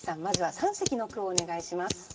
まずは三席の句をお願いします。